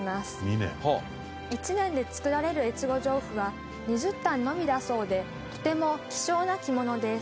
１年で作られる越後上布は２０反のみだそうでとても希少な着物です。